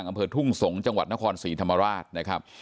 อำเภอทุ่งสงศ์จังหวัดนครศรีธรรมราชนะครับ